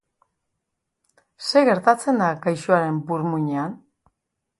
Zer gertatzen da gaixoaren burmuinean?